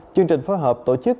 chương trình phối hợp tổ chức